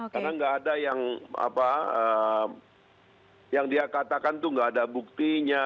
karena nggak ada yang apa yang dia katakan tuh nggak ada buktinya